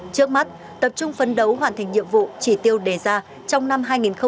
trước mắt tập trung phấn đấu hoàn thành nhiệm vụ chỉ tiêu đề ra trong năm hai nghìn hai mươi